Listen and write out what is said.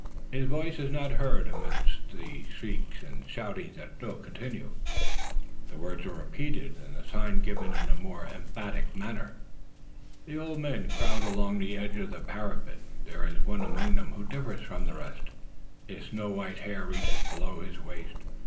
His voice is not heard amidst the shrieks and shouting that still continue. The words are repeated, and the sign given in a more emphatic manner. The old men crowd along the edge of the parapet. There is one among them who differs from the rest. His snow white hair reaches below his waist.